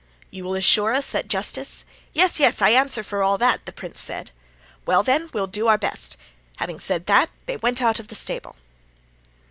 "'You will assure us that justice——' "'Yes, yes! I answer for all that,' the prince said. "'Well, then, we'll do our best.' Having said that, they went out of the stable."